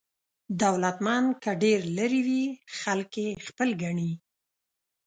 دولتمند که ډېر لرې وي خلک یې خپل ګڼي.